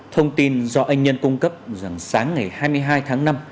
thông tin do anh nhân cung cấp rằng sáng ngày hai mươi hai tháng năm